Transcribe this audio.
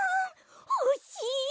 ほしい！